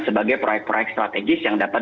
sebagai proyek proyek strategis yang dapat